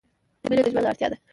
• مینه د ژوند اړتیا ده.